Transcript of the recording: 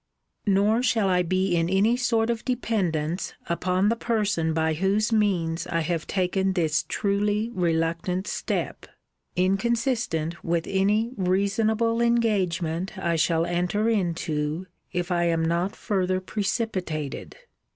Nor shall I be in any sort of dependence upon the person by whose means I have taken this truly reluctant step, inconsistent with any reasonable engagement I shall enter into, if I am not further precipitated.